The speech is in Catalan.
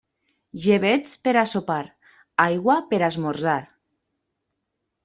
Llebeig per a sopar, aigua per a esmorzar.